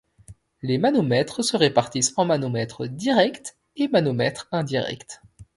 Les manomètres se répartissent en manomètres directs et manomètres indirects.